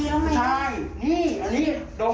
ใช่นี่อันนี้ดมอะไรเดี๋ยวมาดู